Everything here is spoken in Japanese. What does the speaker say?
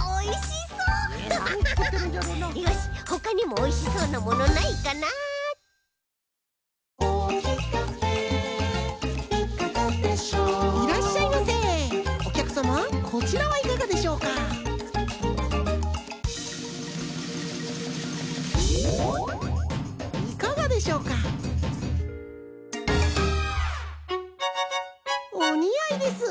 おにあいです！